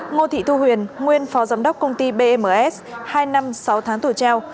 ngô thị thu huyền nguyên phó giám đốc công ty bms hai năm sáu tháng tù treo